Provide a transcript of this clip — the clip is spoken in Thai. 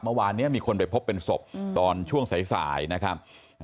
เมื่อวานนี้มีคนไปพบเป็นศพตอนช่วงสายนะครับ